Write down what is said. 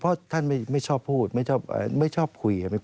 เพราะท่านไม่ชอบพูดไม่ชอบคุย